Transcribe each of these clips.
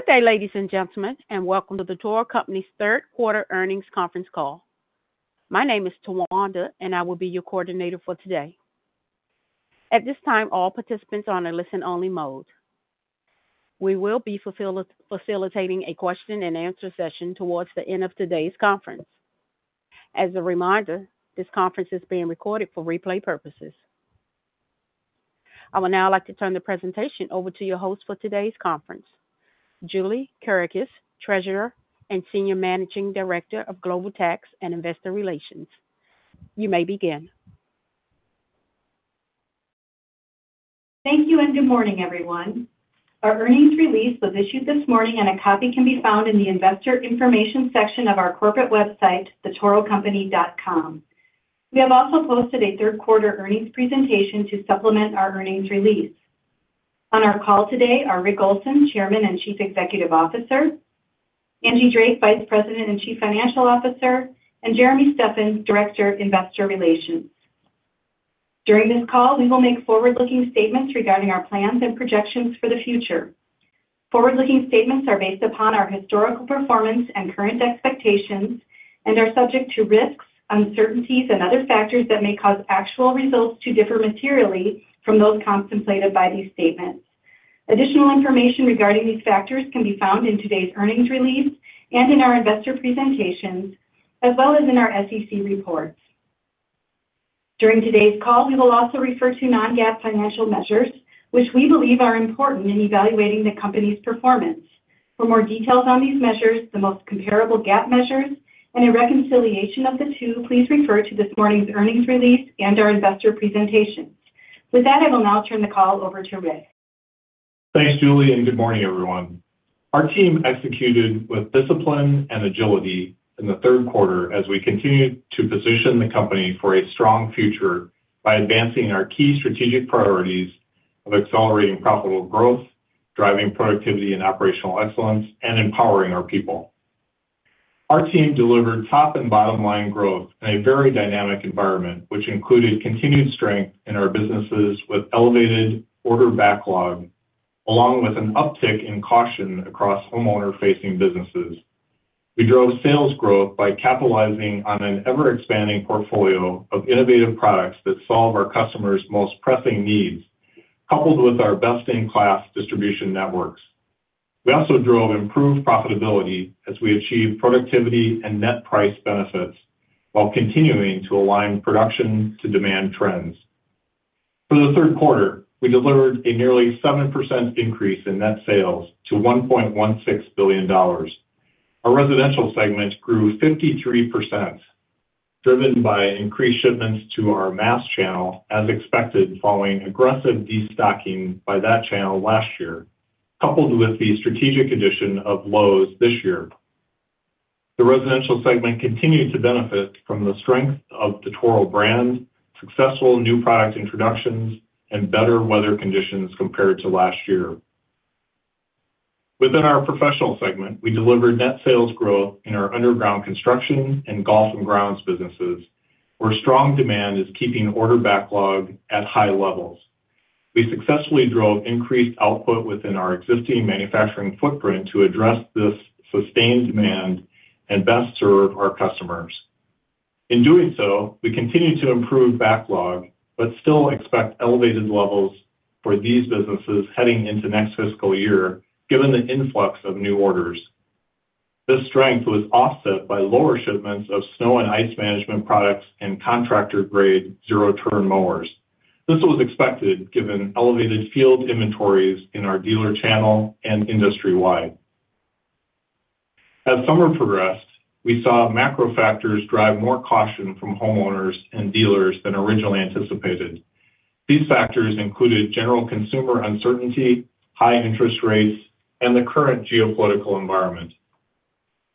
Good day, ladies and gentlemen, and welcome to The Toro Company's Q3 earnings conference call. My name is Tawanda, and I will be your coordinator for today. At this time, all participants are on a listen-only mode. We will be facilitating a question-and-answer session towards the end of today's conference. As a reminder, this conference is being recorded for replay purposes. I would now like to turn the presentation over to your host for today's conference, Julie Kerekes, Treasurer and Senior Managing Director of Global Tax and Investor Relations. You may begin. Thank you, and good morning, everyone. Our earnings release was issued this morning, and a copy can be found in the investor information section of our corporate website, thetorocompany.com. We have also posted a Q3 earnings presentation to supplement our earnings release. On our call today are Rick Olson, Chairman and Chief Executive Officer, Angie Drake, Vice President and Chief Financial Officer, and Jeremy Steffen, Director of Investor Relations. During this call, we will make forward-looking statements regarding our plans and projections for the future. Forward-looking statements are based upon our historical performance and current expectations and are subject to risks, uncertainties, and other factors that may cause actual results to differ materially from those contemplated by these statements. Additional information regarding these factors can be found in today's earnings release and in our investor presentations, as well as in our SEC reports. During today's call, we will also refer to non-GAAP financial measures, which we believe are important in evaluating the company's performance. For more details on these measures, the most comparable GAAP measures, and a reconciliation of the two, please refer to this morning's earnings release and our investor presentations. With that, I will now turn the call over to Rick. Thanks, Julie, and good morning, everyone. Our team executed with discipline and agility in the Q3 as we continued to position the company for a strong future by advancing our key strategic priorities of accelerating profitable growth, driving productivity and operational excellence, and empowering our people. Our team delivered top and bottom-line growth in a very dynamic environment, which included continued strength in our businesses with elevated order backlog, along with an uptick in caution across homeowner-facing businesses. We drove sales growth by capitalizing on an ever-expanding portfolio of innovative products that solve our customers' most pressing needs, coupled with our best-in-class distribution networks. We also drove improved profitability as we achieved productivity and net price benefits while continuing to align production to demand trends. For the Q3, we delivered a nearly 7% increase in net sales to $1.16 billion. Our residential segment grew 53%, driven by increased shipments to our mass channel, as expected, following aggressive destocking by that channel last year, coupled with the strategic addition of Lowe's this year. The residential segment continued to benefit from the strength of the Toro brand, successful new product introductions, and better weather conditions compared to last year. Within our professional segment, we delivered net sales growth in our underground construction and golf and grounds businesses, where strong demand is keeping order backlog at high levels. We successfully drove increased output within our existing manufacturing footprint to address this sustained demand and best serve our customers. In doing so, we continued to improve backlog, but still expect elevated levels for these businesses heading into next fiscal year, given the influx of new orders. This strength was offset by lower shipments of snow and ice management products and contractor-grade zero turn mowers. This was expected, given elevated field inventories in our dealer channel and industry-wide. As summer progressed, we saw macro factors drive more caution from homeowners and dealers than originally anticipated. These factors included general consumer uncertainty, high interest rates, and the current geopolitical environment.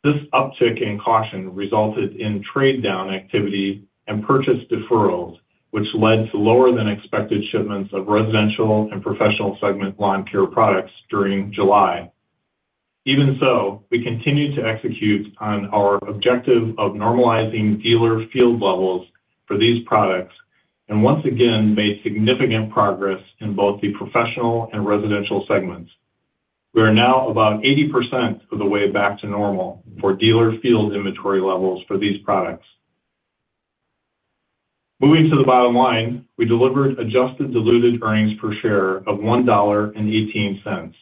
This uptick in caution resulted in trade-down activity and purchase deferrals, which led to lower than expected shipments of residential and professional segment lawn care products during July. Even so, we continued to execute on our objective of normalizing dealer field levels for these products, and once again, made significant progress in both the professional and residential segments. We are now about 80% of the way back to normal for dealer field inventory levels for these products. Moving to the bottom line, we delivered adjusted diluted earnings per share of $1.18,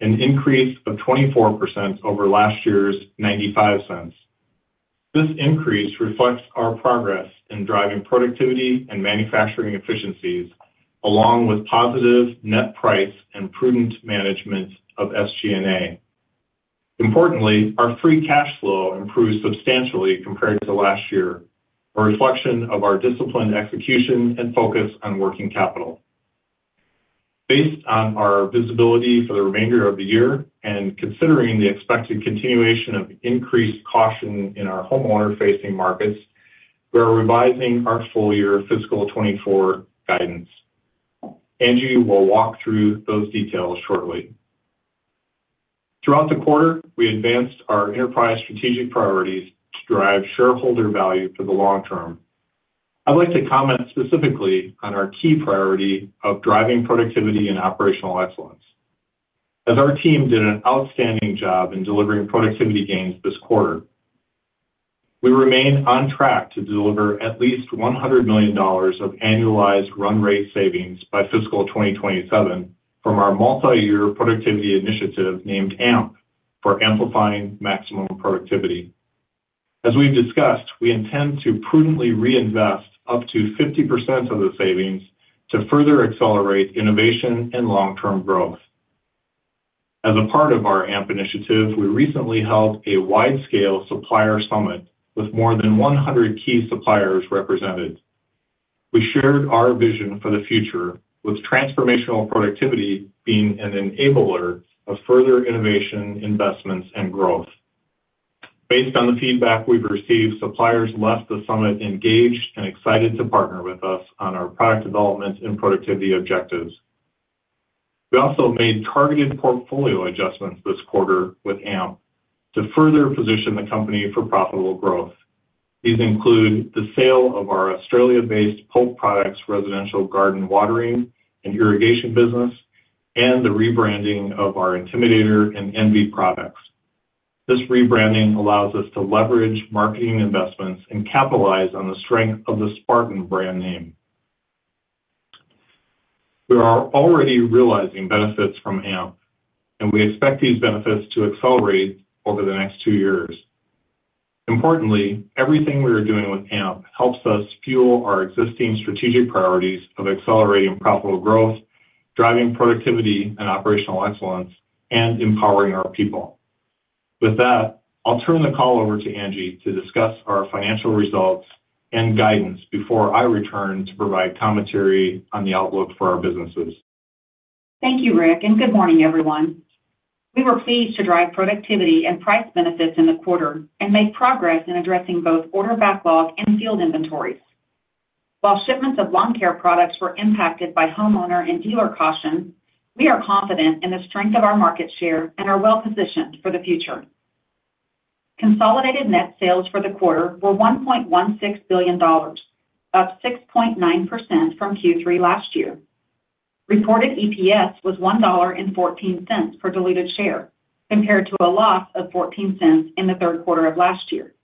an increase of 24% over last year's $0.95. This increase reflects our progress in driving productivity and manufacturing efficiencies, along with positive net price and prudent management of SG&A. Importantly, our free cash flow improved substantially compared to last year, a reflection of our disciplined execution and focus on working capital. Based on our visibility for the remainder of the year and considering the expected continuation of increased caution in our homeowner-facing markets, we are revising our full-year fiscal 2024 guidance. Angie will walk through those details shortly. Throughout the quarter, we advanced our enterprise strategic priorities to drive shareholder value for the long term. I'd like to comment specifically on our key priority of driving productivity and operational excellence, as our team did an outstanding job in delivering productivity gains this quarter. We remain on track to deliver at least $100 million of annualized run rate savings by fiscal 2027 from our multiyear productivity initiative named AMP, for Amplifying Maximum Productivity. As we've discussed, we intend to prudently reinvest up to 50% of the savings to further accelerate innovation and long-term growth. As a part of our AMP initiative, we recently held a wide-scale supplier summit with more than 100 key suppliers represented. We shared our vision for the future, with transformational productivity being an enabler of further innovation, investments, and growth. Based on the feedback we've received, suppliers left the summit engaged and excited to partner with us on our product development and productivity objectives. We also made targeted portfolio adjustments this quarter with AMP to further position the company for profitable growth. These include the sale of our Australia-based Pope products, residential garden watering, and irrigation business, and the rebranding of our Intimidator and Envy products. This rebranding allows us to leverage marketing investments and capitalize on the strength of the Spartan brand name. We are already realizing benefits from AMP, and we expect these benefits to accelerate over the next two years. Importantly, everything we are doing with AMP helps us fuel our existing strategic priorities of accelerating profitable growth, driving productivity and operational excellence, and empowering our people. With that, I'll turn the call over to Angie to discuss our financial results and guidance before I return to provide commentary on the outlook for our businesses. Thank you, Rick, and good morning, everyone. We were pleased to drive productivity and price benefits in the quarter and make progress in addressing both order backlog and field inventories. While shipments of lawn care products were impacted by homeowner and dealer caution, we are confident in the strength of our market share and are well-positioned for the future. Consolidated net sales for the quarter were $1.16 billion, up 6.9% from Q3 last year. Reported EPS was $1.14 per diluted share, compared to a loss of $0.14 in the Q3 of last year.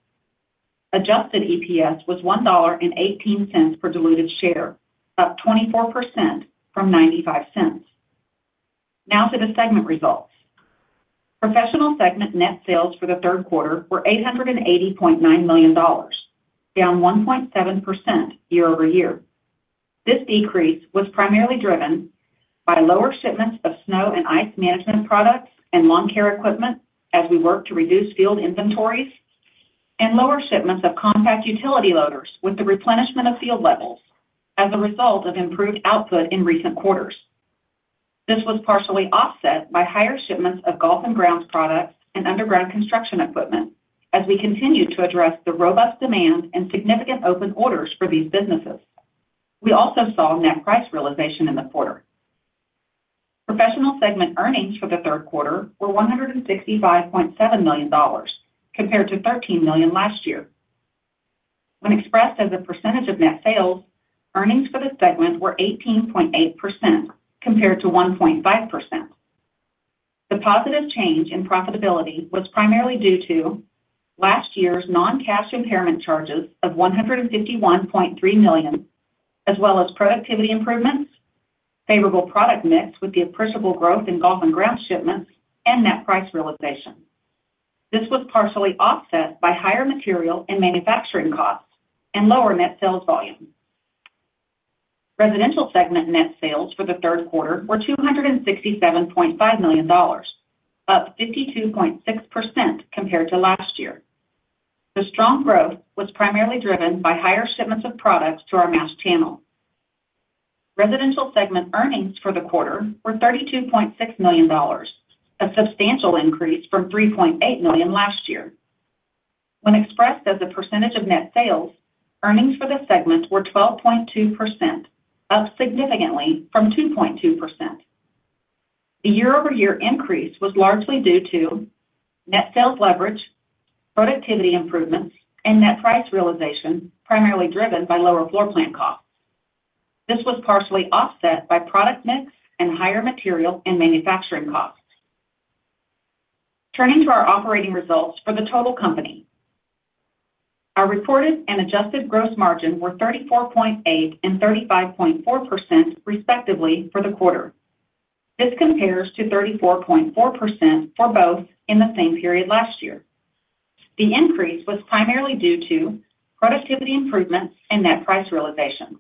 Adjusted EPS was $1.18 per diluted share, up 24% from $0.95. Now to the segment results. Professional segment net sales for the Q3 were $880.9 million, down 1.7% year-over-year. This decrease was primarily driven by lower shipments of snow and ice management products and lawn care equipment as we work to reduce field inventories, and lower shipments of compact utility loaders with the replenishment of field levels as a result of improved output in recent quarters. This was partially offset by higher shipments of golf and grounds products and underground construction equipment, as we continue to address the robust demand and significant open orders for these businesses. We also saw net price realization in the quarter. Professional segment earnings for the Q3 were $165.7 million, compared to $13 million last year. When expressed as a percentage of net sales, earnings for the segment were 18.8%, compared to 1.5%. The positive change in profitability was primarily due to last year's non-cash impairment charges of $151.3 million, as well as productivity improvements, favorable product mix with the appreciable growth in golf and grounds shipments, and net price realization. This was partially offset by higher material and manufacturing costs and lower net sales volume. Residential segment net sales for the Q3 were $267.5 million, up 52.6% compared to last year. The strong growth was primarily driven by higher shipments of products to our mass channel. Residential segment earnings for the quarter were $32.6 million, a substantial increase from $3.8 million last year. When expressed as a percentage of net sales, earnings for the segment were 12.2%, up significantly from 2.2%. The year-over-year increase was largely due to net sales leverage, productivity improvements, and net price realization, primarily driven by lower floor plan costs. This was partially offset by product mix and higher material and manufacturing costs. Turning to our operating results for the total company. Our reported and adjusted gross margin were 34.8% and 35.4%, respectively, for the quarter. This compares to 34.4% for both in the same period last year. The increase was primarily due to productivity improvements and net price realizations.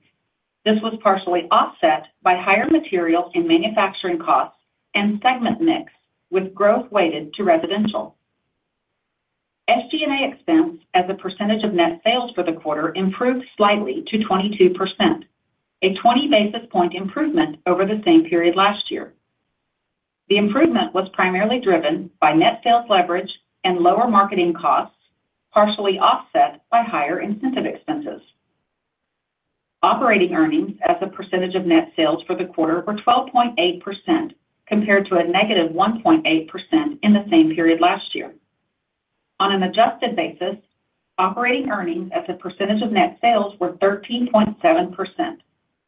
This was partially offset by higher material and manufacturing costs and segment mix, with growth weighted to residential. SG&A expense as a percentage of net sales for the quarter improved slightly to 22%, a 20 basis point improvement over the same period last year. The improvement was primarily driven by net sales leverage and lower marketing costs, partially offset by higher incentive expenses. Operating earnings as a percentage of net sales for the quarter were 12.8%, compared to a negative 1.8% in the same period last year. On an adjusted basis, operating earnings as a percentage of net sales were 13.7%,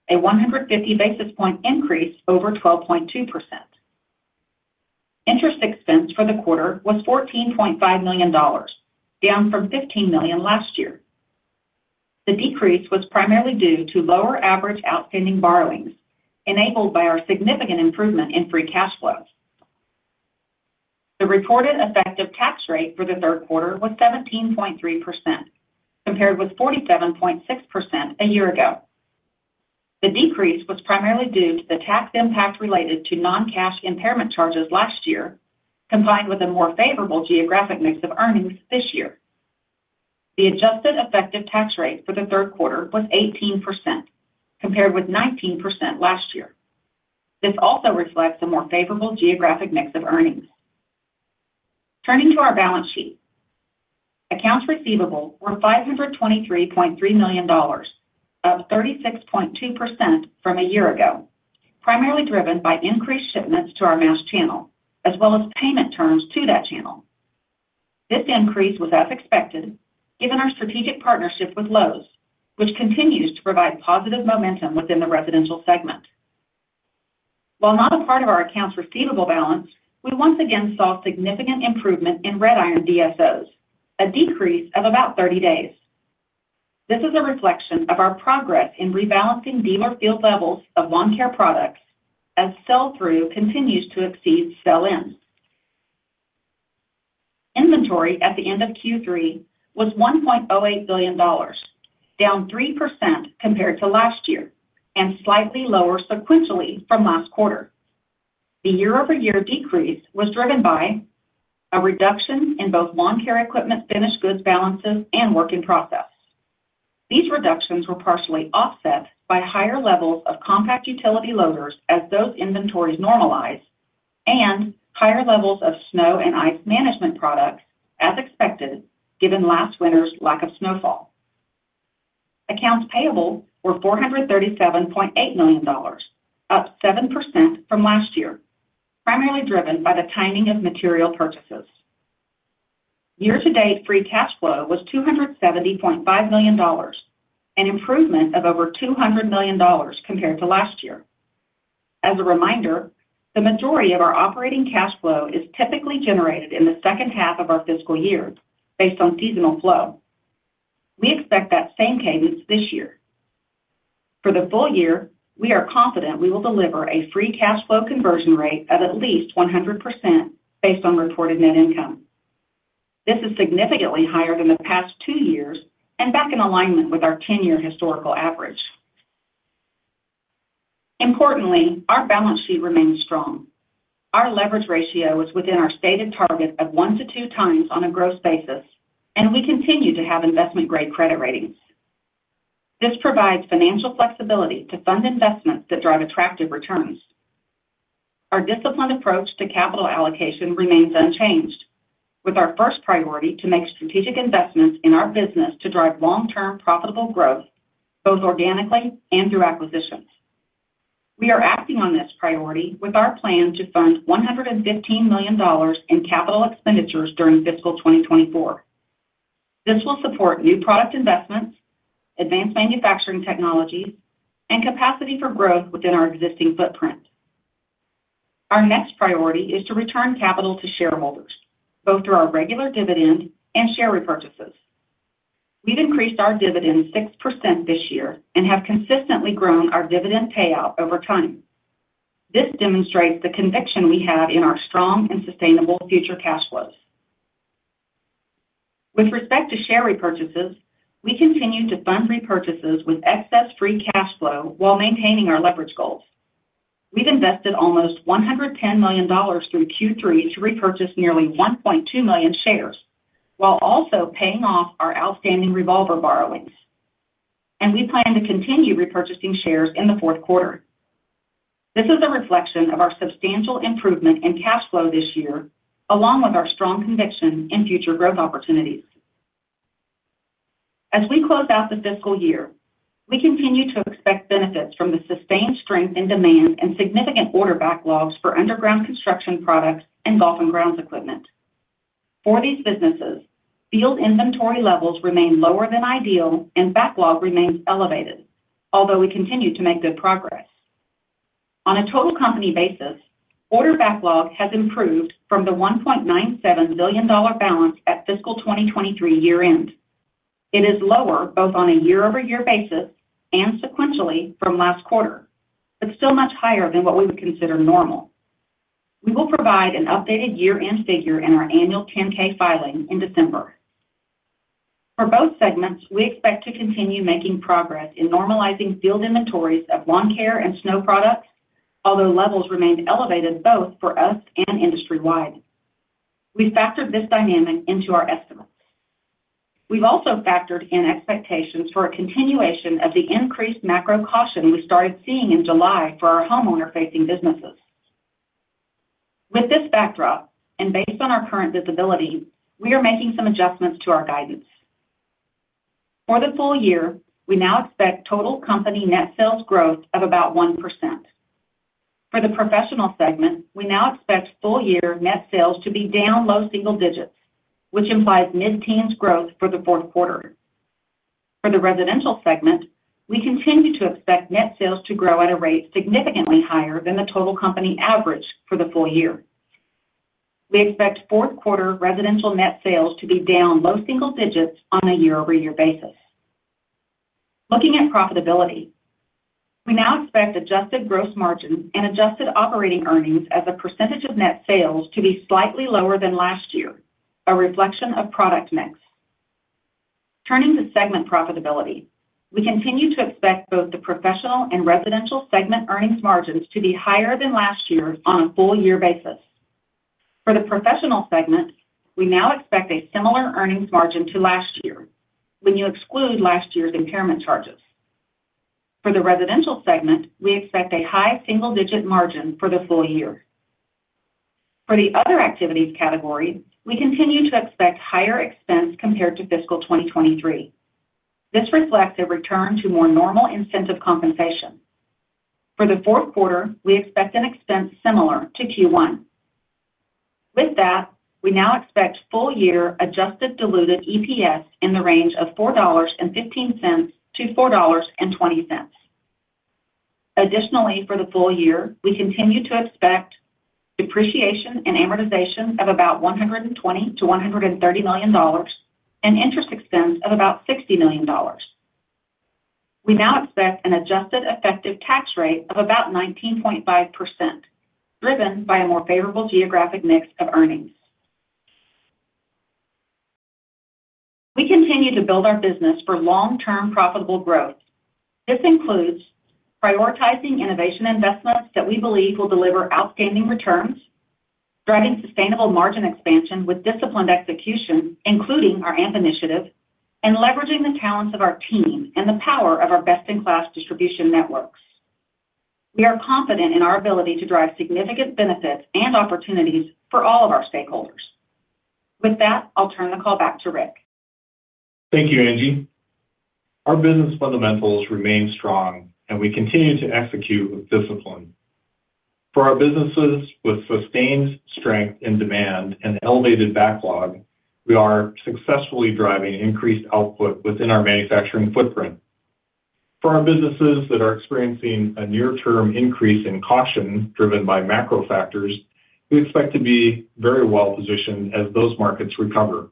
a 150 basis point increase over 12.2%. Interest expense for the quarter was $14.5 million, down from $15 million last year. The decrease was primarily due to lower average outstanding borrowings, enabled by our significant improvement in free cash flows. The reported effective tax rate for the Q3 was 17.3%, compared with 47.6% a year ago. The decrease was primarily due to the tax impact related to non-cash impairment charges last year, combined with a more favorable geographic mix of earnings this year. The adjusted effective tax rate for the Q3 was 18%, compared with 19% last year. This also reflects a more favorable geographic mix of earnings. Turning to our balance sheet. Accounts receivable were $523.3 million, up 36.2% from a year ago, primarily driven by increased shipments to our mass channel, as well as payment terms to that channel. This increase was as expected, given our strategic partnership with Lowe's, which continues to provide positive momentum within the residential segment. While not a part of our accounts receivable balance, we once again saw significant improvement in Red Iron DSOs, a decrease of about 30 days. This is a reflection of our progress in rebalancing dealer field levels of lawn care products as sell-through continues to exceed sell-in. Inventory at the end of Q3 was $1.08 billion, down 3% compared to last year, and slightly lower sequentially from last quarter. The year-over-year decrease was driven by a reduction in both lawn care equipment, finished goods balances, and work in process. These reductions were partially offset by higher levels of compact utility loaders as those inventories normalize, and higher levels of snow and ice management products, as expected, given last winter's lack of snowfall. Accounts payable were $437.8 million, up 7% from last year, primarily driven by the timing of material purchases. Year-to-date free cash flow was $270.5 million, an improvement of over $200 million compared to last year. As a reminder, the majority of our operating cash flow is typically generated in the second half of our fiscal year, based on seasonal flow. We expect that same cadence this year. For the full year, we are confident we will deliver a free cash flow conversion rate of at least 100% based on reported net income. This is significantly higher than the past two years and back in alignment with our ten-year historical average. Importantly, our balance sheet remains strong. Our leverage ratio is within our stated target of one to two times on a gross basis, and we continue to have investment-grade credit ratings. This provides financial flexibility to fund investments that drive attractive returns. Our disciplined approach to capital allocation remains unchanged, with our first priority to make strategic investments in our business to drive long-term profitable growth, both organically and through acquisitions. We are acting on this priority with our plan to fund $115 million in capital expenditures during fiscal 2024. This will support new product investments, advanced manufacturing technologies, and capacity for growth within our existing footprint. Our next priority is to return capital to shareholders, both through our regular dividend and share repurchases. We've increased our dividend 6% this year and have consistently grown our dividend payout over time. This demonstrates the conviction we have in our strong and sustainable future cash flows. With respect to share repurchases, we continue to fund repurchases with excess free cash flow while maintaining our leverage goals. We've invested almost $110 million through Q3 to repurchase nearly 1.2 million shares, while also paying off our outstanding revolver borrowings. And we plan to continue repurchasing shares in the Q4. This is a reflection of our substantial improvement in cash flow this year, along with our strong conviction in future growth opportunities. As we close out the fiscal year, we continue to expect benefits from the sustained strength in demand and significant order backlogs for underground construction products and golf and grounds equipment. For these businesses, field inventory levels remain lower than ideal and backlog remains elevated, although we continue to make good progress. On a total company basis, order backlog has improved from the $1.97 billion balance at fiscal 2023 year-end. It is lower, both on a year-over-year basis and sequentially from last quarter, but still much higher than what we would consider normal. We will provide an updated year-end figure in our annual 10-K filing in December. For both segments, we expect to continue making progress in normalizing field inventories of lawn care and snow products, although levels remained elevated both for us and industry-wide. We factored this dynamic into our estimates. We've also factored in expectations for a continuation of the increased macro caution we started seeing in July for our homeowner-facing businesses. With this backdrop, and based on our current visibility, we are making some adjustments to our guidance. For the full year, we now expect total company net sales growth of about 1%. For the Professional segment, we now expect full year net sales to be down low single digits, which implies mid-teens growth for the Q4. For the Residential segment, we continue to expect net sales to grow at a rate significantly higher than the total company average for the full year. We expect Q4 residential net sales to be down low single digits on a year-over-year basis. Looking at profitability, we now expect adjusted gross margins and adjusted operating earnings as a percentage of net sales to be slightly lower than last year, a reflection of product mix. Turning to segment profitability, we continue to expect both the Professional and Residential segment earnings margins to be higher than last year on a full year basis. For the Professional segment, we now expect a similar earnings margin to last year when you exclude last year's impairment charges. For the Residential segment, we expect a high single-digit margin for the full year. For the other activities category, we continue to expect higher expense compared to fiscal 2023. This reflects a return to more normal incentive compensation. For the Q4, we expect an expense similar to Q1. With that, we now expect full year adjusted diluted EPS in the range of $4.15 to $4.20. Additionally, for the full year, we continue to expect depreciation and amortization of about $120 million-$130 million and interest expense of about $60 million. We now expect an adjusted effective tax rate of about 19.5%, driven by a more favorable geographic mix of earnings. We continue to build our business for long-term profitable growth. This includes prioritizing innovation investments that we believe will deliver outstanding returns, driving sustainable margin expansion with disciplined execution, including our AMP initiative, and leveraging the talents of our team and the power of our best-in-class distribution networks. We are confident in our ability to drive significant benefits and opportunities for all of our stakeholders. With that, I'll turn the call back to Rick. Thank you, Angie. Our business fundamentals remain strong, and we continue to execute with discipline. For our businesses with sustained strength in demand and elevated backlog, we are successfully driving increased output within our manufacturing footprint. For our businesses that are experiencing a near-term increase in caution driven by macro factors, we expect to be very well positioned as those markets recover.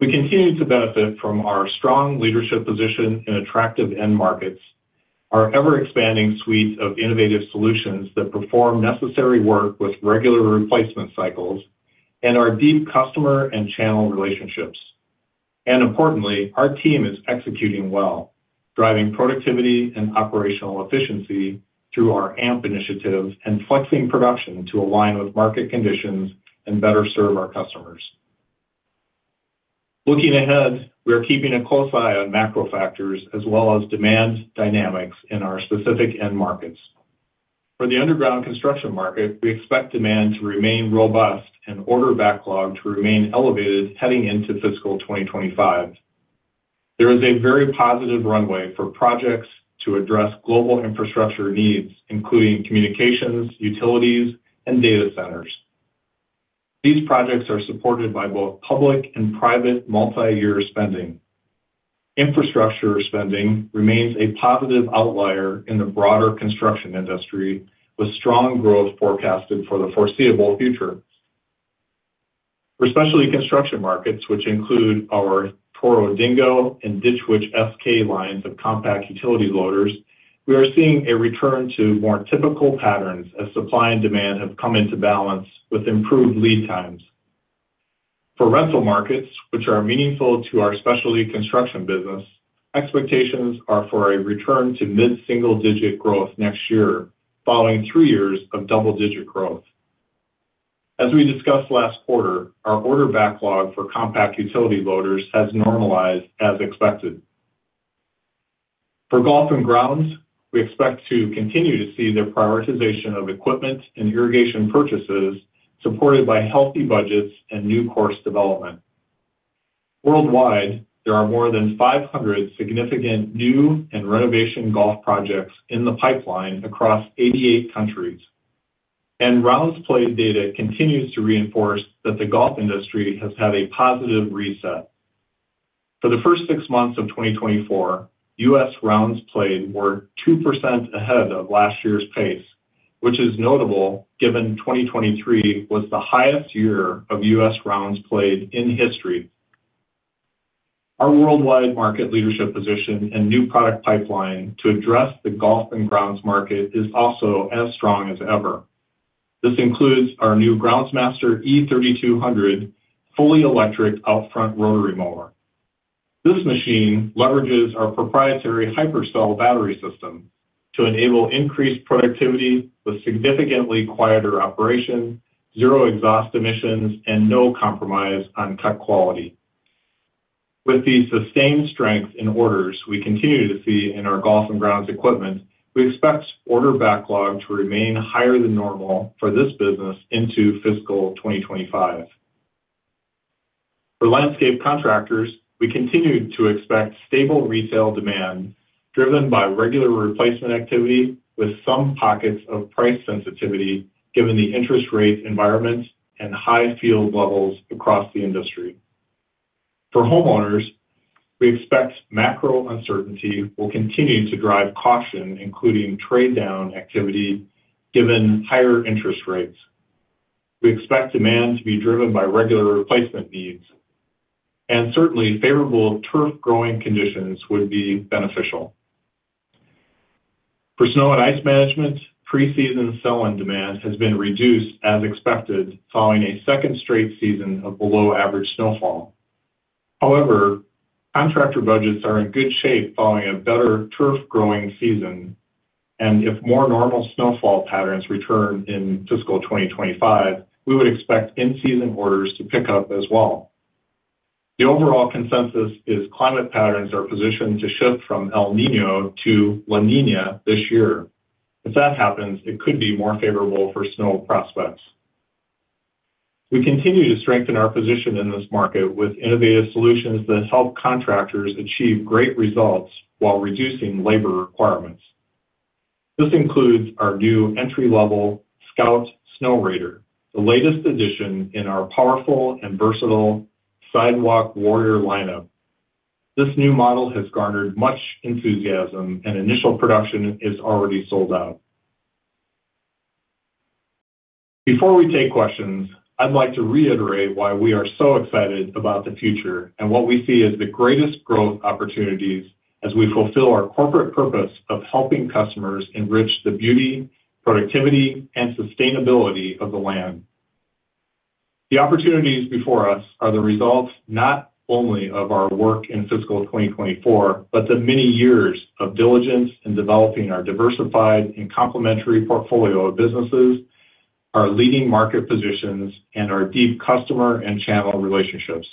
We continue to benefit from our strong leadership position in attractive end markets, our ever-expanding suite of innovative solutions that perform necessary work with regular replacement cycles, and our deep customer and channel relationships, and importantly, our team is executing well, driving productivity and operational efficiency through our AMP initiatives and flexing production to align with market conditions and better serve our customers. Looking ahead, we are keeping a close eye on macro factors as well as demand dynamics in our specific end markets. For the underground construction market, we expect demand to remain robust and order backlog to remain elevated heading into fiscal 2025. There is a very positive runway for projects to address global infrastructure needs, including communications, utilities, and data centers. These projects are supported by both public and private multiyear spending. Infrastructure spending remains a positive outlier in the broader construction industry, with strong growth forecasted for the foreseeable future. For specialty construction markets, which include our Toro Dingo and Ditch Witch SK lines of compact utility loaders, we are seeing a return to more typical patterns as supply and demand have come into balance with improved lead times. For rental markets, which are meaningful to our specialty construction business, expectations are for a return to mid-single-digit growth next year, following three years of double-digit growth. As we discussed last quarter, our order backlog for compact utility loaders has normalized as expected. For golf and grounds, we expect to continue to see the prioritization of equipment and irrigation purchases, supported by healthy budgets and new course development. Worldwide, there are more than five hundred significant new and renovation golf projects in the pipeline across eighty-eight countries, and rounds played data continues to reinforce that the golf industry has had a positive reset. For the first six months of twenty twenty-four, U.S. rounds played were 2% ahead of last year's pace, which is notable given 2023 was the highest year of U.S. rounds played in history. Our worldwide market leadership position and new product pipeline to address the golf and grounds market is also as strong as ever. This includes our new Groundsmaster e3200 fully electric out-front rotary mower. This machine leverages our proprietary Hypercell battery system to enable increased productivity with significantly quieter operation, zero exhaust emissions, and no compromise on cut quality. With the sustained strength in orders we continue to see in our golf and grounds equipment, we expect order backlog to remain higher than normal for this business into fiscal 2025. For landscape contractors, we continue to expect stable retail demand, driven by regular replacement activity, with some pockets of price sensitivity, given the interest rate environment and high field levels across the industry. For homeowners, we expect macro uncertainty will continue to drive caution, including trade-down activity, given higher interest rates. We expect demand to be driven by regular replacement needs, and certainly, favorable turf growing conditions would be beneficial. For snow and ice management, pre-season sell-in demand has been reduced as expected, following a second straight season of below-average snowfall. However, contractor budgets are in good shape following a better turf growing season, and if more normal snowfall patterns return in fiscal 2025, we would expect in-season orders to pick up as well. The overall consensus is climate patterns are positioned to shift from El Niño to La Niña this year. If that happens, it could be more favorable for snow prospects. We continue to strengthen our position in this market with innovative solutions that help contractors achieve great results while reducing labor requirements. This includes our new entry-level Scout Snowrator, the latest addition in our powerful and versatile Sidewalk Warrior lineup. This new model has garnered much enthusiasm, and initial production is already sold out. Before we take questions, I'd like to reiterate why we are so excited about the future and what we see as the greatest growth opportunities as we fulfill our corporate purpose of helping customers enrich the beauty, productivity, and sustainability of the land. The opportunities before us are the results not only of our work in fiscal 2024, but the many years of diligence in developing our diversified and complementary portfolio of businesses, our leading market positions, and our deep customer and channel relationships.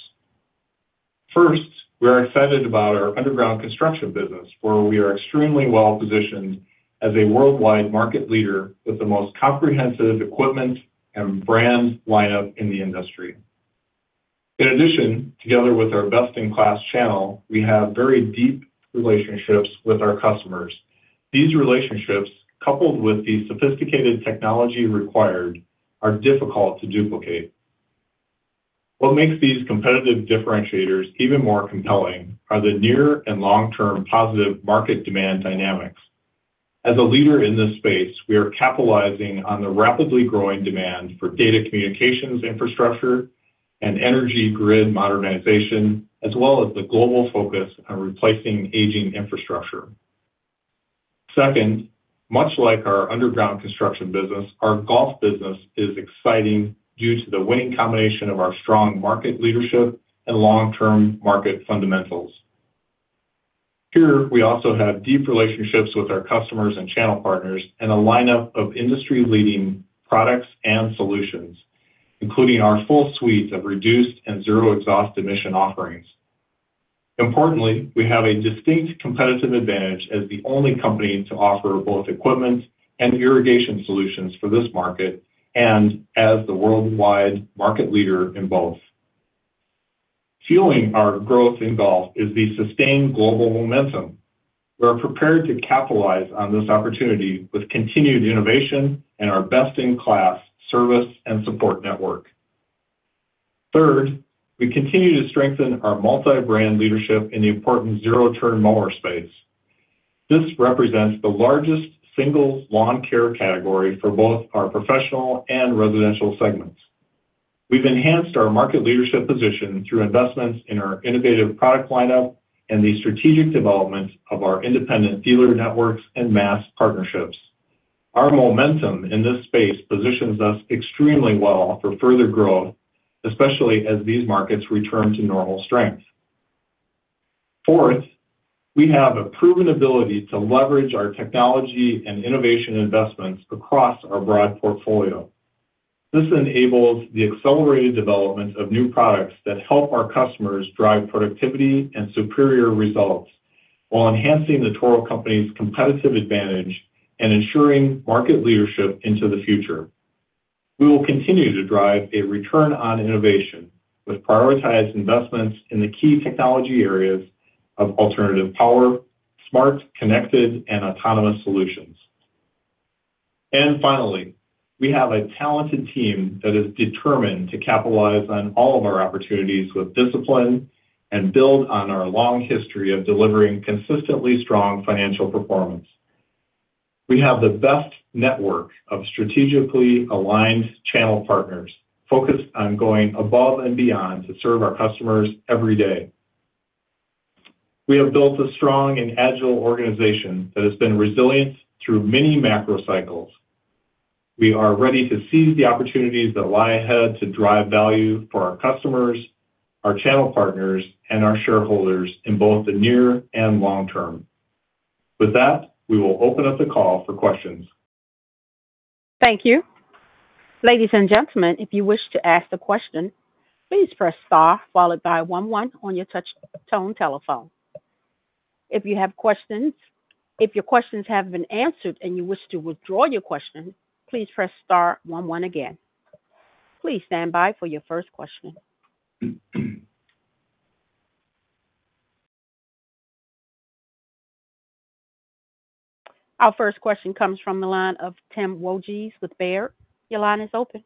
First, we are excited about our underground construction business, where we are extremely well-positioned as a worldwide market leader with the most comprehensive equipment and brand lineup in the industry. In addition, together with our best-in-class channel, we have very deep relationships with our customers. These relationships, coupled with the sophisticated technology required, are difficult to duplicate. What makes these competitive differentiators even more compelling are the near and long-term positive market demand dynamics. As a leader in this space, we are capitalizing on the rapidly growing demand for data communications infrastructure and energy grid modernization, as well as the global focus on replacing aging infrastructure. Second, much like our underground construction business, our golf business is exciting due to the winning combination of our strong market leadership and long-term market fundamentals. Here, we also have deep relationships with our customers and channel partners and a lineup of industry-leading products and solutions, including our full suite of reduced and zero exhaust emission offerings. Importantly, we have a distinct competitive advantage as the only company to offer both equipment and irrigation solutions for this market and as the worldwide market leader in both. Fueling our growth in golf is the sustained global momentum. We are prepared to capitalize on this opportunity with continued innovation and our best-in-class service and support network. Third, we continue to strengthen our multi-brand leadership in the important zero-turn mower space. This represents the largest single lawn care category for both our professional and residential segments. We've enhanced our market leadership position through investments in our innovative product lineup and the strategic development of our independent dealer networks and mass partnerships. Our momentum in this space positions us extremely well for further growth, especially as these markets return to normal strength. Fourth, we have a proven ability to leverage our technology and innovation investments across our broad portfolio. This enables the accelerated development of new products that help our customers drive productivity and superior results while enhancing The Toro Company's competitive advantage and ensuring market leadership into the future. We will continue to drive a return on innovation with prioritized investments in the key technology areas of alternative power, smart, connected, and autonomous solutions. And finally, we have a talented team that is determined to capitalize on all of our opportunities with discipline and build on our long history of delivering consistently strong financial performance. We have the best network of strategically aligned channel partners focused on going above and beyond to serve our customers every day. We have built a strong and agile organization that has been resilient through many macro cycles. We are ready to seize the opportunities that lie ahead to drive value for our customers, our channel partners, and our shareholders in both the near and long term. With that, we will open up the call for questions. Thank you. Ladies and gentlemen, if you wish to ask a question, please press star followed by one one on your touch tone telephone. If you have questions, if your questions have been answered and you wish to withdraw your question, please press star one one again. Please stand by for your first question. Our first question comes from the line of Tim Wojs with Baird. Your line is open.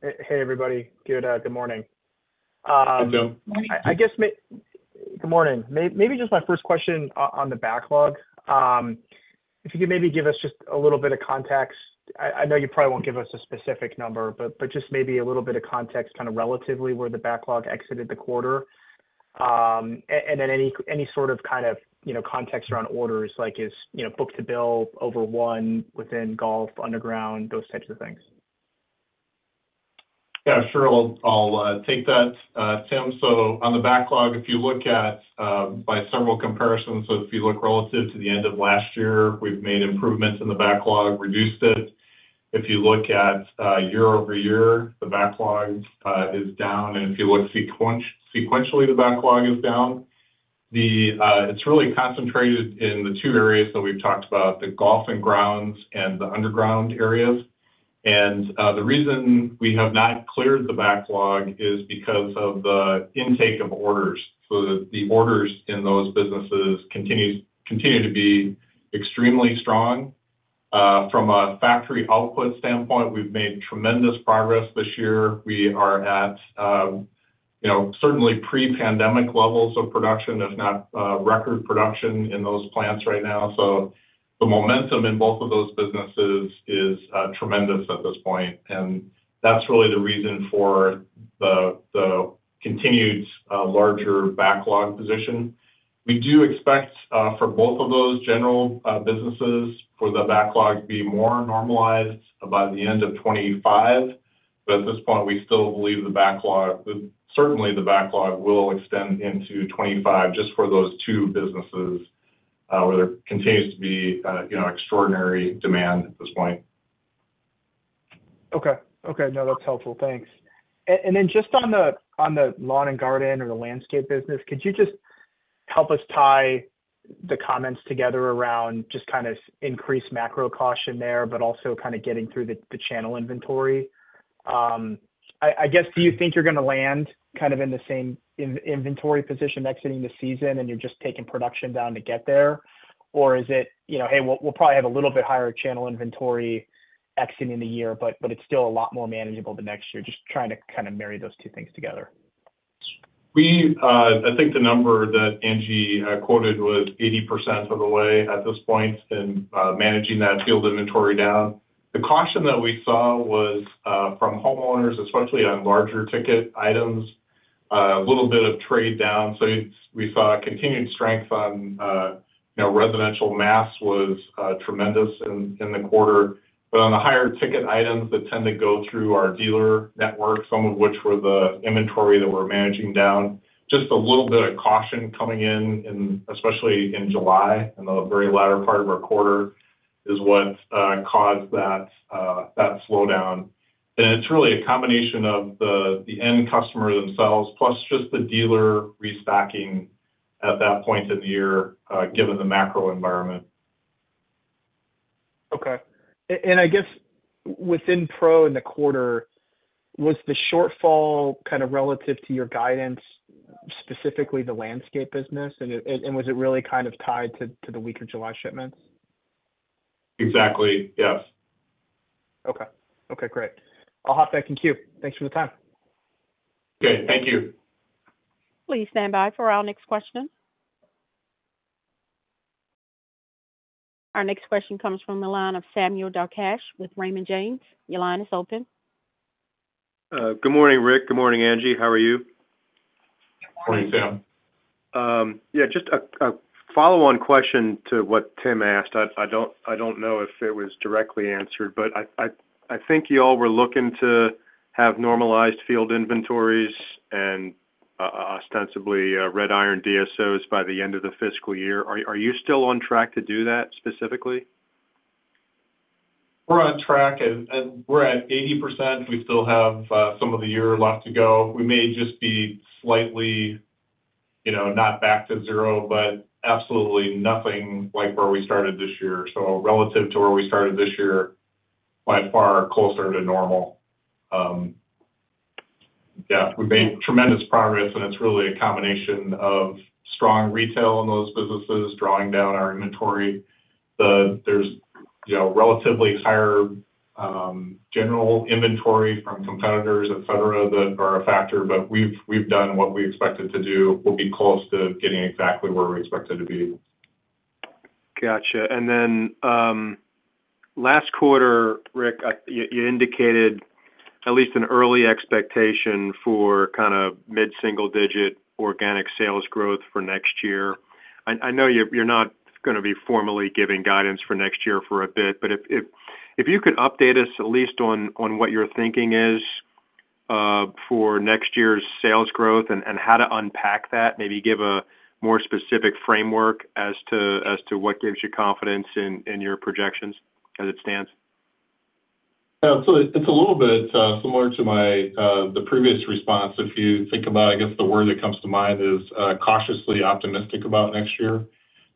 Hey, everybody. Good morning. Good morning. Good morning. Maybe just my first question on the backlog. If you could maybe give us just a little bit of context. I know you probably won't give us a specific number, but just maybe a little bit of context, kind of, relatively where the backlog exited the quarter. And then any sort of, kind of, you know, context around orders, like is, you know, book-to-bill over one within golf, underground, those types of things. Yeah, sure. I'll take that, Tim. So on the backlog, if you look at by several comparisons, so if you look relative to the end of last year, we've made improvements in the backlog, reduced it. If you look at year-over-year, the backlog is down, and if you look sequentially, the backlog is down. It's really concentrated in the two areas that we've talked about, the golf and grounds and the underground areas. And the reason we have not cleared the backlog is because of the intake of orders. So the orders in those businesses continue to be extremely strong. From a factory output standpoint, we've made tremendous progress this year. We are at, you know, certainly pre-pandemic levels of production, if not record production in those plants right now. So the momentum in both of those businesses is tremendous at this point, and that's really the reason for the continued larger backlog position. We do expect for both of those general businesses for the backlog to be more normalized by the end of 2025, but at this point, we still believe the backlog, certainly the backlog will extend into 2025, just for those two businesses where there continues to be you know extraordinary demand at this point. Okay. Okay, no, that's helpful. Thanks. And then just on the, on the lawn and garden or the landscape business, could you just help us tie the comments together around just kind of increased macro caution there, but also kind of getting through the channel inventory? I guess, do you think you're gonna land kind of in the same inventory position exiting this season, and you're just taking production down to get there? Or is it, you know, "Hey, we'll probably have a little bit higher channel inventory exiting the year, but it's still a lot more manageable than next year." Just trying to kind of marry those two things together. We, I think the number that Angie quoted was 80% of the way at this point in managing that field inventory down. The caution that we saw was from homeowners, especially on larger ticket items, a little bit of trade down. So it's, we saw continued strength on, you know, residential mass was tremendous in the quarter. But on the higher ticket items that tend to go through our dealer network, some of which were the inventory that we're managing down, just a little bit of caution coming in, especially in July, in the very latter part of our quarter, is what caused that slowdown. And it's really a combination of the end customer themselves, plus just the dealer restocking at that point of the year, given the macro environment. Okay, and I guess within Pro in the quarter, was the shortfall kind of relative to your guidance, specifically the landscape business, and was it really kind of tied to the weaker July shipments? Exactly, yes. Okay. Okay, great. I'll hop back in queue. Thanks for the time. Good. Thank you. Please stand by for our next question. Our next question comes from the line of Sam Darkatsh with Raymond James. Your line is open. Good morning, Rick. Good morning, Angie. How are you? Good morning, Sam. Yeah, just a follow-on question to what Tim asked. I don't know if it was directly answered, but I think you all were looking to have normalized field inventories and, ostensibly, Red Iron DSOs by the end of the fiscal year. Are you still on track to do that specifically? We're on track and we're at 80%. We still have some of the year left to go. We may just be slightly, you know, not back to zero, but absolutely nothing like where we started this year. So relative to where we started this year, by far, closer to normal. Yeah, we've made tremendous progress, and it's really a combination of strong retail in those businesses, drawing down our inventory. There's, you know, relatively higher general inventory from competitors, et cetera, that are a factor, but we've done what we expected to do. We'll be close to getting exactly where we're expected to be. Gotcha. And then, last quarter, Rick, you indicated at least an early expectation for kind of mid-single digit organic sales growth for next year. I know you're not gonna be formally giving guidance for next year for a bit, but if you could update us at least on what your thinking is for next year's sales growth and how to unpack that, maybe give a more specific framework as to what gives you confidence in your projections as it stands? Yeah, so it's a little bit similar to my previous response. If you think about, I guess, the word that comes to mind is cautiously optimistic about next year.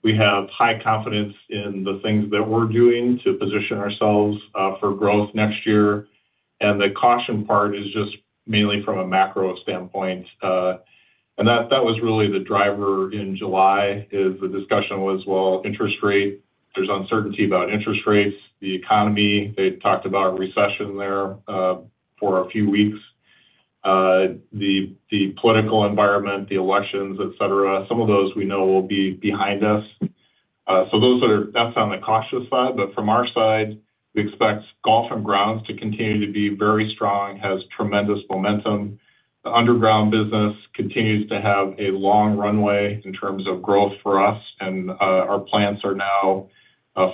We have high confidence in the things that we're doing to position ourselves for growth next year, and the caution part is just mainly from a macro standpoint. That was really the driver in July. The discussion was, well, interest rate. There's uncertainty about interest rates, the economy. They talked about recession there for a few weeks. The political environment, the elections, et cetera, some of those we know will be behind us. Those are. That's on the cautious side, but from our side, we expect golf and grounds to continue to be very strong, has tremendous momentum. The underground business continues to have a long runway in terms of growth for us, and our plants are now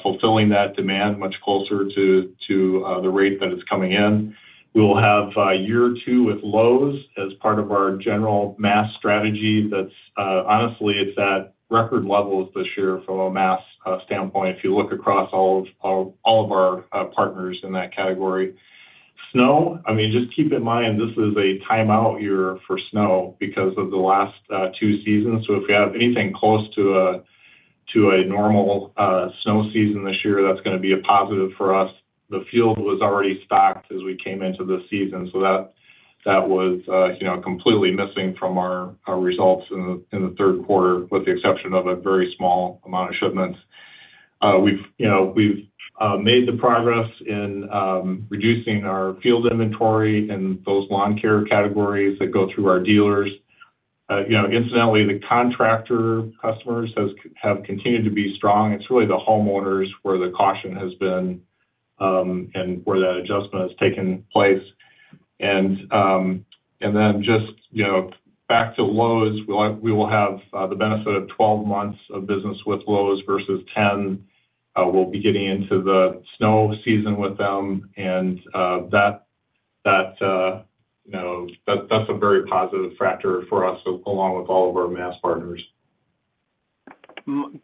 fulfilling that demand much closer to the rate that it's coming in. We will have year two with Lowe's as part of our general mass strategy that's honestly it's at record levels this year from a mass standpoint, if you look across all of our partners in that category. Snow, I mean, just keep in mind, this is a timeout year for snow because of the last two seasons. So if we have anything close to a normal snow season this year, that's gonna be a positive for us. The field was already stocked as we came into this season, so that was, you know, completely missing from our results in the Q3, with the exception of a very small amount of shipments. We've, you know, made the progress in reducing our field inventory in those lawn care categories that go through our dealers. You know, incidentally, the contractor customers have continued to be strong. It's really the homeowners where the caution has been, and where that adjustment has taken place, and then just, you know, back to Lowe's, we will have the benefit of 12 months of business with Lowe's versus 10. We'll be getting into the snow season with them, and you know, that's a very positive factor for us, along with all of our mass partners.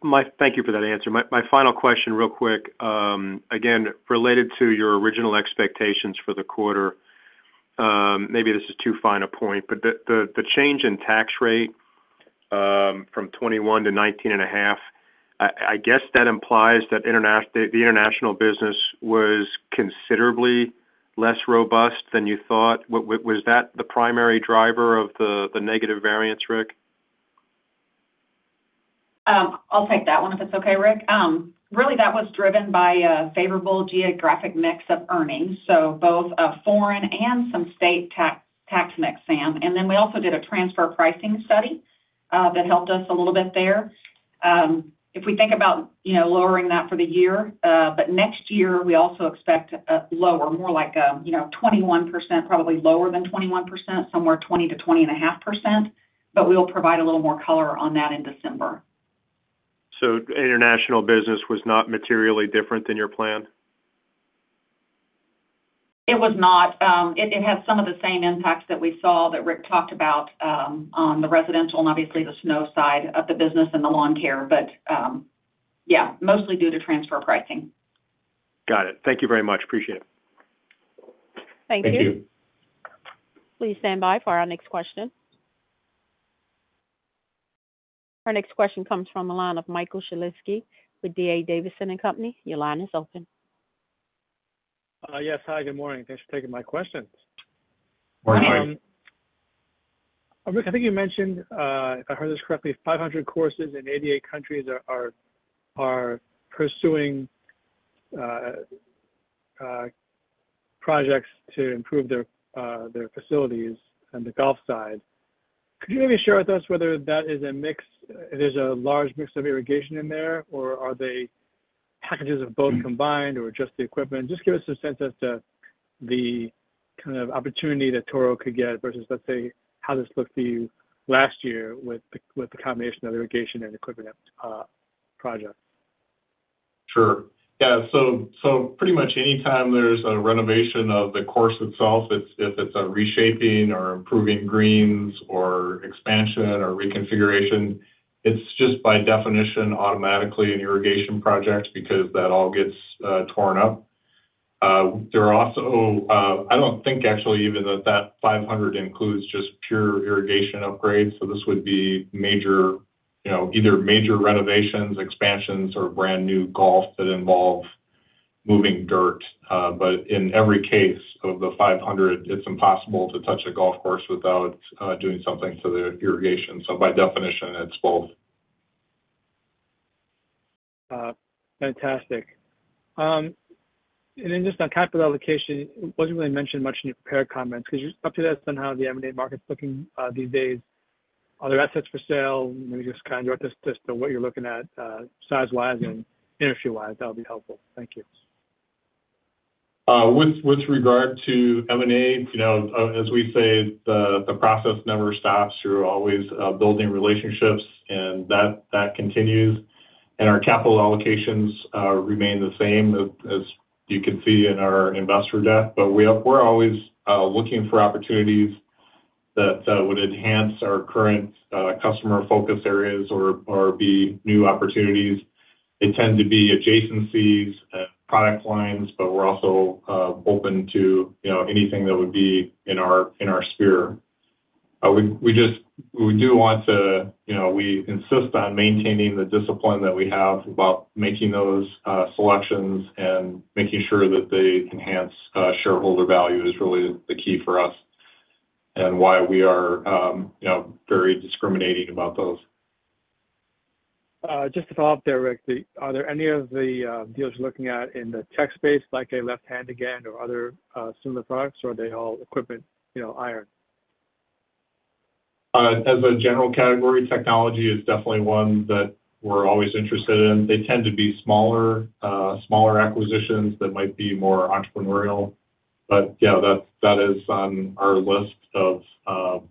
My thank you for that answer. My final question, real quick, again, related to your original expectations for the quarter. Maybe this is too fine a point, but the change in tax rate from 21% to 19.5%, I guess that implies that the international business was considerably less robust than you thought. Was that the primary driver of the negative variance, Rick? I'll take that one, if it's okay, Rick. Really, that was driven by a favorable geographic mix of earnings, so both foreign and some state tax mix, Sam. And then we also did a transfer pricing study that helped us a little bit there. If we think about, you know, lowering that for the year, but next year, we also expect a lower, more like, you know, 21%, probably lower than 21%, somewhere 20% to 20.5%, but we'll provide a little more color on that in December. So international business was not materially different than your plan? It was not. It had some of the same impacts that we saw, that Rick talked about, on the residential and obviously the snow side of the business and the lawn care. But, yeah, mostly due to transfer pricing. Got it. Thank you very much. Appreciate it. Thank you. Thank you. Please stand by for our next question. Our next question comes from the line of Michael Shlisky with D.A. Davidson & Co. Your line is open. Yes. Hi, good morning. Thanks for taking my questions. Hi. Rick, I think you mentioned, if I heard this correctly, five hundred courses in eighty-eight countries are pursuing projects to improve their facilities on the golf side. Could you maybe share with us whether that is a mix, there's a large mix of irrigation in there, or are they packages of both combined or just the equipment? Just give us a sense as to the kind of opportunity that Toro could get versus, let's say, how this looked to you last year with the combination of irrigation and equipment project. Sure. Yeah, so pretty much anytime there's a renovation of the course itself, it's if it's a reshaping or improving greens or expansion or reconfiguration, it's just by definition, automatically an irrigation project because that all gets torn up. There are also. I don't think actually even that five hundred includes just pure irrigation upgrades, so this would be major, you know, either major renovations, expansions or brand new golf that involve moving dirt, but in every case of the five hundred, it's impossible to touch a golf course without doing something to the irrigation. So by definition, it's both. Fantastic. And then just on capital allocation, it wasn't really mentioned much in your prepared comments. Could you just update us on how the M&A market's looking, these days? Are there assets for sale? Maybe just kind of your perspective of what you're looking at, size-wise and industry-wise, that would be helpful. Thank you. With regard to M&A, you know, as we say, the process never stops. You're always building relationships, and that continues, and our capital allocations remain the same as you can see in our investor deck. But we are, we're always looking for opportunities that would enhance our current customer focus areas or be new opportunities. They tend to be adjacencies and product lines, but we're also open to, you know, anything that would be in our sphere. We just, we do want to, you know, we insist on maintaining the discipline that we have about making those selections and making sure that they enhance shareholder value is really the key for us and why we are, you know, very discriminating about those. Just to follow up there, Rick, are there any of the deals you're looking at in the tech space, like a Left Hand Again or other similar products, or are they all equipment, you know, iron? As a general category, technology is definitely one that we're always interested in. They tend to be smaller acquisitions that might be more entrepreneurial. But yeah, that is on our list of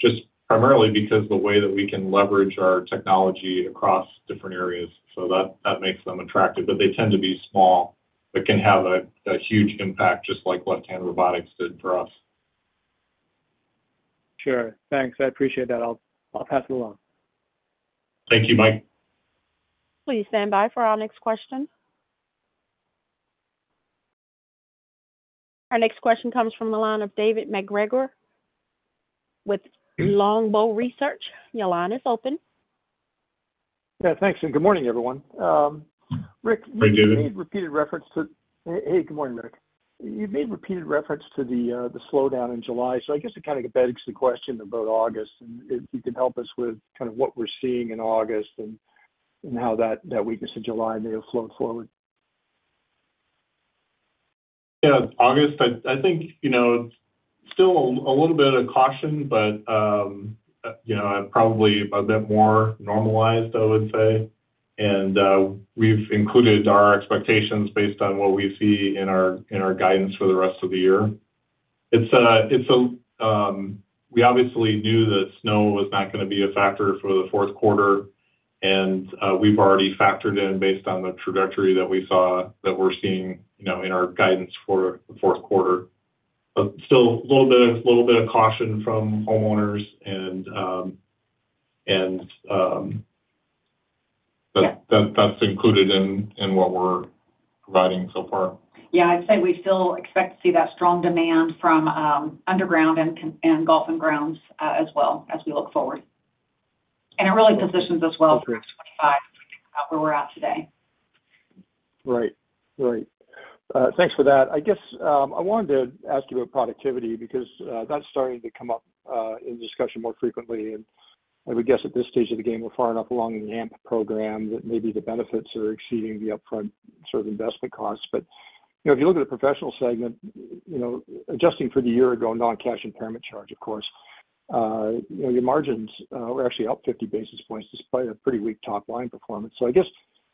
just primarily because the way that we can leverage our technology across different areas. So that makes them attractive, but they tend to be small, but can have a huge impact, just like what Tanda Robotics did for us. Sure. Thanks. I appreciate that. I'll, I'll pass it along. Thank you, Mike. Please stand by for our next question. Our next question comes from the line of David MacGregor with Longbow Research. Your line is open. Yeah, thanks, and good morning, everyone. Rick- Hi, David. You've made repeated reference to... Hey, good morning, Rick. You've made repeated reference to the slowdown in July, so I guess it kind of begs the question about August, and if you can help us with kind of what we're seeing in August and how that weakness in July may have flowed forward. Yeah, August, I think, you know, still a little bit of caution, but, you know, probably a bit more normalized, I would say. We've included our expectations based on what we see in our guidance for the rest of the year. We obviously knew that snow was not gonna be a factor for the Q4, and we've already factored in based on the trajectory that we saw, that we're seeing, you know, in our guidance for the Q4. Still a little bit of caution from homeowners, but that's included in what we're providing so far. Yeah, I'd say we still expect to see that strong demand from underground and construction and golf and grounds, as well as we look forward. And it really positions us well for twenty twenty-five, where we're at today. Right. Right. Thanks for that. I guess, I wanted to ask you about productivity, because, that's starting to come up in discussion more frequently, and I would guess at this stage of the game, we're far enough along in the AMP program that maybe the benefits are exceeding the upfront sort of investment costs. But, you know, if you look at the professional segment, you know, adjusting for the year ago, non-cash impairment charge, of course, you know, your margins were actually up 50 basis points, despite a pretty weak top line performance, so I guess,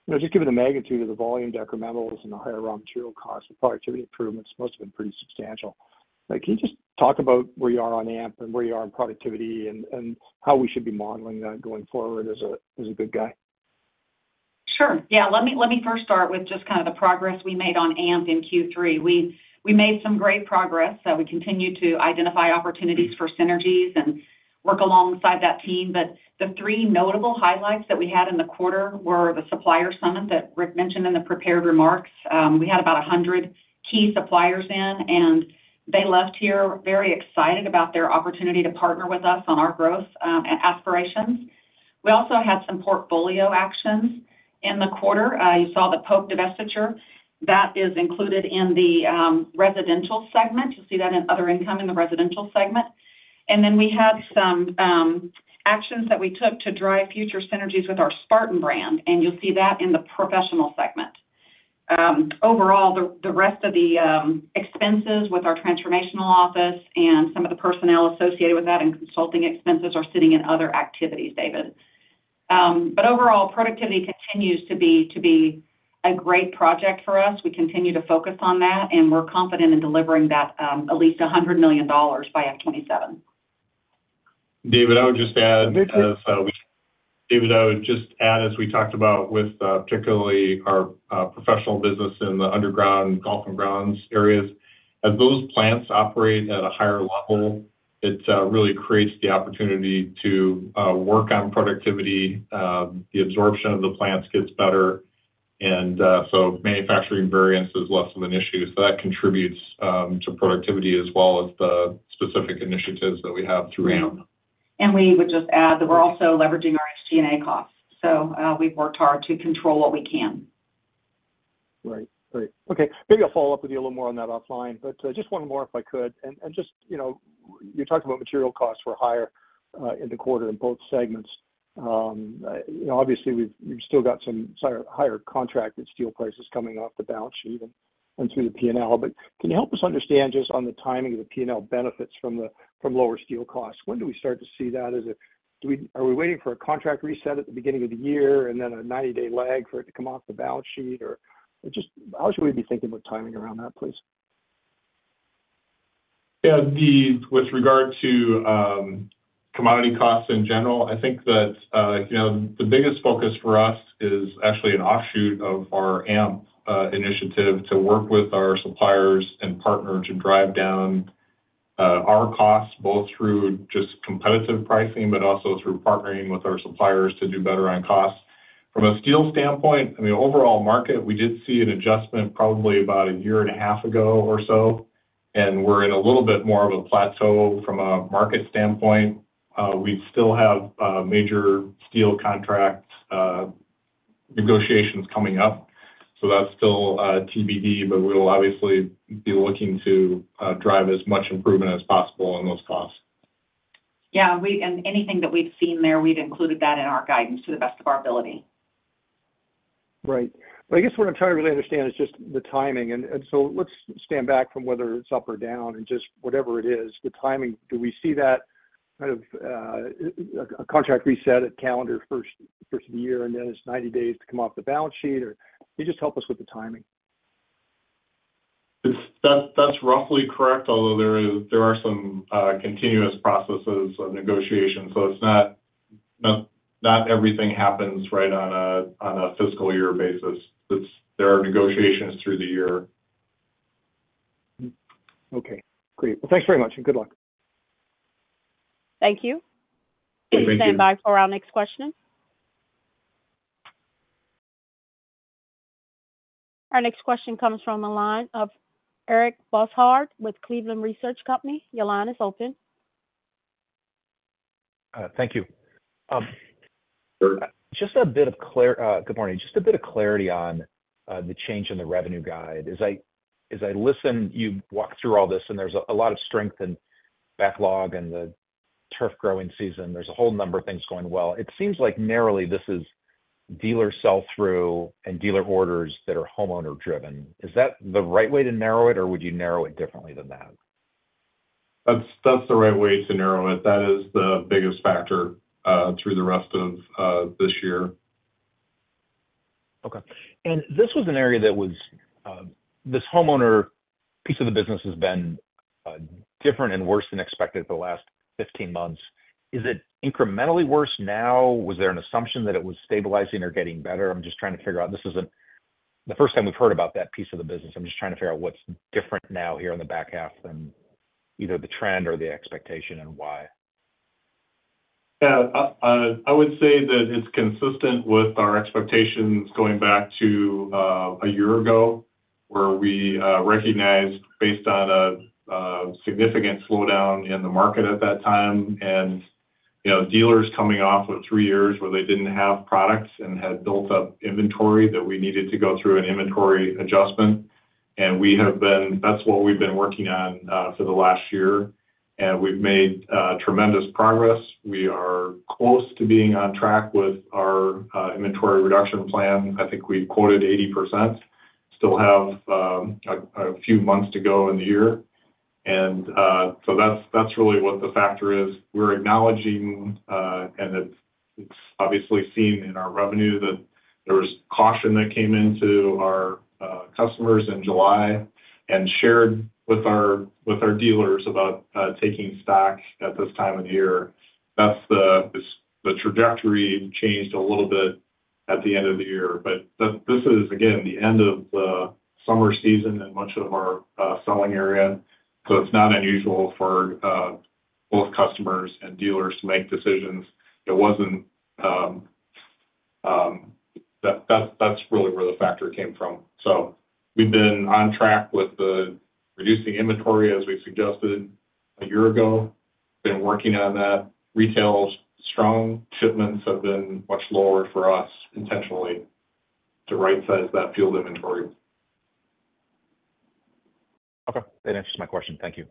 you know, just given the magnitude of the volume decrementals and the higher raw material costs, the productivity improvements must have been pretty substantial. Like, can you just talk about where you are on AMP and where you are on productivity and, and how we should be modeling that going forward as a, as a good guy? Sure. Yeah, let me first start with just kind of the progress we made on AMP in Q3. We made some great progress. We continue to identify opportunities for synergies and work alongside that team, but the three notable highlights that we had in the quarter were the Supplier Summit that Rick mentioned in the prepared remarks. We had about a hundred key suppliers in, and they left here very excited about their opportunity to partner with us on our growth and aspirations. We also had some portfolio actions in the quarter. You saw the Pope divestiture. That is included in the residential segment. You'll see that in other income in the residential segment, and then we had some actions that we took to drive future synergies with our Spartan brand, and you'll see that in the professional segment. Overall, the rest of the expenses with our transformational office and some of the personnel associated with that and consulting expenses are sitting in other activities, David. But overall, productivity continues to be a great project for us. We continue to focus on that, and we're confident in delivering that, at least $100 million by F-27. David, I would just add, as we- Hey, Rick. David, I would just add, as we talked about with, particularly our, professional business in the underground golf and grounds areas, as those plants operate at a higher level, it, really creates the opportunity to, work on productivity, the absorption of the plants gets better, and, so manufacturing variance is less of an issue. So that contributes, to productivity as well as the specific initiatives that we have to ramp. We would just add that we're also leveraging our SG&A costs, so we've worked hard to control what we can. Right. Great. Okay, maybe I'll follow up with you a little more on that offline, but just one more, if I could, and just, you know, you talked about material costs were higher in the quarter in both segments. You know, obviously, you've still got some higher contracted steel prices coming off the balance sheet and through the P&L. But can you help us understand just on the timing of the P&L benefits from lower steel costs? When do we start to see that? Are we waiting for a contract reset at the beginning of the year and then a ninety-day lag for it to come off the balance sheet? Or just how should we be thinking about timing around that, please? Yeah, with regard to commodity costs in general, I think that, you know, the biggest focus for us is actually an offshoot of our AMP initiative to work with our suppliers and partners to drive down our costs, both through just competitive pricing, but also through partnering with our suppliers to do better on costs. From a steel standpoint, in the overall market, we did see an adjustment probably about a year and a half ago or so, and we're in a little bit more of a plateau from a market standpoint. We still have major steel contract negotiations coming up, so that's still TBD, but we'll obviously be looking to drive as much improvement as possible on those costs. Yeah, and anything that we've seen there, we've included that in our guidance to the best of our ability. Right. But I guess what I'm trying to really understand is just the timing. And so let's stand back from whether it's up or down, and just whatever it is, the timing, do we see that kind of contract reset at calendar first of the year, and then it's ninety days to come off the balance sheet? Or can you just help us with the timing? That's roughly correct, although there are some continuous processes of negotiation, so it's not everything happens right on a fiscal year basis. There are negotiations through the year. Okay, great. Well, thanks very much, and good luck. Thank you. Thank you. Please stand by for our next question. Our next question comes from the line of Eric Bosshard with Cleveland Research Company. Your line is open. Thank you. Sure. Just a bit of clarity on the change in the revenue guide. As I listen, you walk through all this, and there's a lot of strength in backlog and the turf growing season, there's a whole number of things going well. It seems like narrowly, this is dealer sell-through and dealer orders that are homeowner driven. Is that the right way to narrow it, or would you narrow it differently than that? That's, that's the right way to narrow it. That is the biggest factor through the rest of this year. Okay. And this was an area that was this homeowner piece of the business has been different and worse than expected for the last fifteen months. Is it incrementally worse now? Was there an assumption that it was stabilizing or getting better? I'm just trying to figure out this isn't the first time we've heard about that piece of the business. I'm just trying to figure out what's different now here in the back half from either the trend or the expectation and why? Yeah. I would say that it's consistent with our expectations going back to a year ago, where we recognized, based on a significant slowdown in the market at that time, and you know, dealers coming off of three years where they didn't have products and had built up inventory, that we needed to go through an inventory adjustment. And we have been. That's what we've been working on for the last year, and we've made tremendous progress. We are close to being on track with our inventory reduction plan. I think we've quoted 80%. Still have a few months to go in the year, and so that's really what the factor is. We're acknowledging and it's obviously seen in our revenue that there was caution that came into our customers in July and shared with our dealers about taking stock at this time of year. That's the trajectory changed a little bit at the end of the year. This is, again, the end of the summer season in much of our selling area, so it's not unusual for both customers and dealers to make decisions. It wasn't. That's really where the factor came from. So we've been on track with the reducing inventory, as we suggested a year ago, been working on that. Retail is strong. Shipments have been much lower for us intentionally to rightsize that field inventory. Okay. That answers my question. Thank you.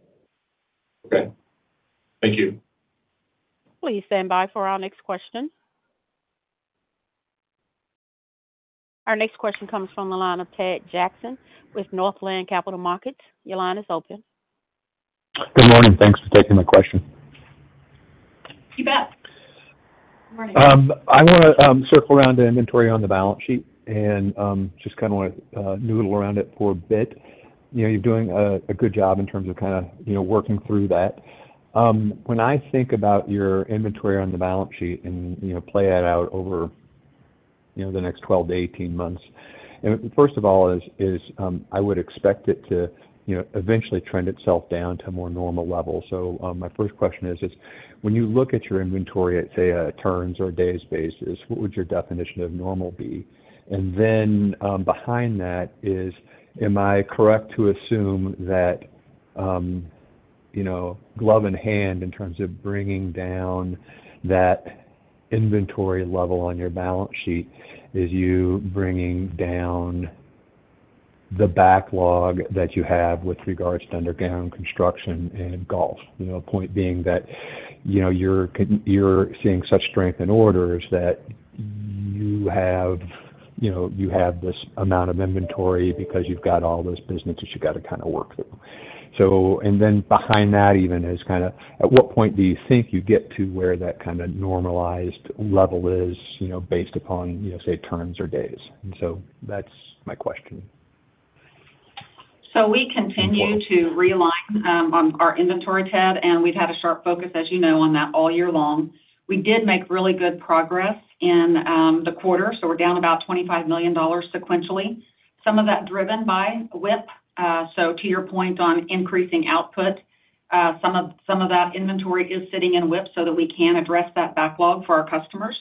Okay. Thank you. Please stand by for our next question. Our next question comes from the line of Ted Jackson with Northland Capital Markets. Your line is open. Good morning. Thanks for taking my question. You bet! Good morning. I wanna circle around to inventory on the balance sheet, and just kinda wanna noodle around it for a bit. You know, you're doing a good job in terms of kinda, you know, working through that. When I think about your inventory on the balance sheet and, you know, play that out over, you know, the next 12 to 18 months, and first of all, I would expect it to, you know, eventually trend itself down to a more normal level. So, my first question is: When you look at your inventory at, say, a turns or days basis, what would your definition of normal be? And then, behind that is: Am I correct to assume that, you know, hand in glove, in terms of bringing down that inventory level on your balance sheet, is you bringing down the backlog that you have with regards to underground construction and golf? You know, point being that, you know, you're seeing such strength in orders that you have, you know, you have this amount of inventory because you've got all this business that you've got to kinda work through. So, and then behind that even is kinda: At what point do you think you get to where that kinda normalized level is, you know, based upon, you know, say, turns or days? And so that's my question. So we continue to realign on our inventory, Ted, and we've had a sharp focus, as you know, on that all year long. We did make really good progress in the quarter, so we're down about $25 million sequentially. Some of that driven by WIP. So to your point on increasing output, some of that inventory is sitting in WIP so that we can address that backlog for our customers.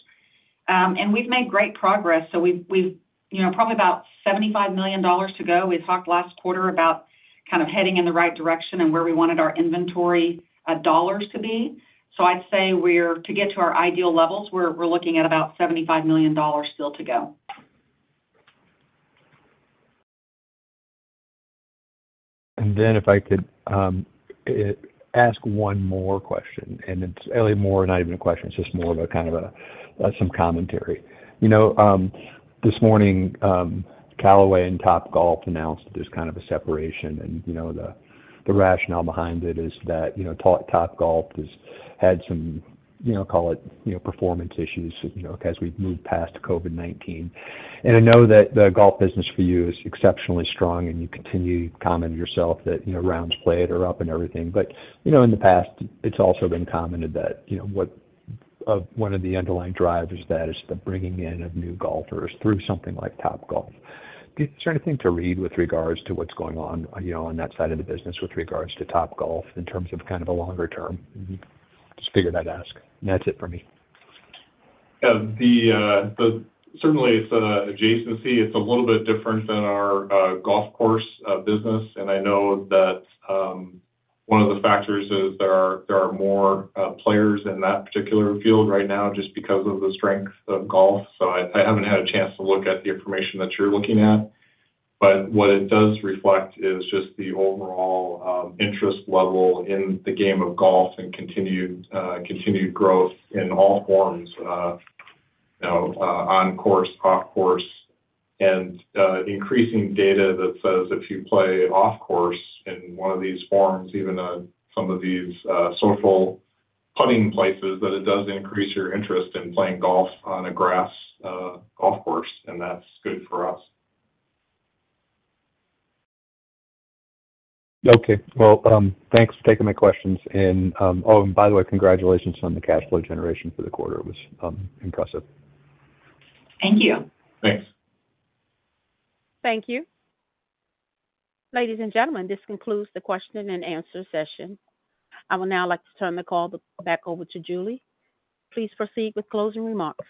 And we've made great progress. So we've you know probably about $75 million to go. We talked last quarter about kind of heading in the right direction and where we wanted our inventory dollars to be. So I'd say we're to get to our ideal levels, we're looking at about $75 million still to go. And then if I could ask one more question, and it's more not even a question, it's just more of a kind of a some commentary. You know, this morning, Callaway and Topgolf announced this kind of a separation. And you know, the rationale behind it is that you know, Topgolf has had some you know, call it, you know, performance issues, you know, as we've moved past COVID-19. And I know that the golf business for you is exceptionally strong, and you continue to comment yourself that you know, rounds played are up and everything. But you know, in the past, it's also been commented that you know, what one of the underlying drivers of that is the bringing in of new golfers through something like Topgolf. Is there anything to read with regards to what's going on, you know, on that side of the business with regards to Topgolf in terms of kind of a longer term? Just figured I'd ask. And that's it for me. Yeah, certainly, it's an adjacency. It's a little bit different than our golf course business. And I know that one of the factors is there are more players in that particular field right now just because of the strength of golf. So I haven't had a chance to look at the information that you're looking at, but what it does reflect is just the overall interest level in the game of golf and continued growth in all forms, you know, on course, off course, and increasing data that says if you play off course in one of these forms, even on some of these social putting places, that it does increase your interest in playing golf on a grass golf course, and that's good for us. Okay, well, thanks for taking my questions. Oh, and by the way, congratulations on the cash flow generation for the quarter. It was impressive. Thank you. Thanks. Thank you. Ladies and gentlemen, this concludes the question and answer session. I would now like to turn the call back over to Julie. Please proceed with closing remarks.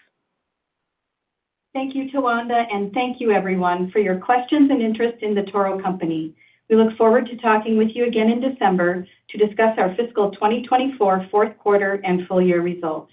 Thank you, Tawanda, and thank you, everyone, for your questions and interest in The Toro Company. We look forward to talking with you again in December to discuss our fiscal 2024 Q4 and full year results.